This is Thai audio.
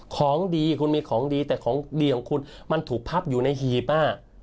ของดีคุณมีของดีแต่ของดีของคุณมันถูกพับอยู่ในหีบ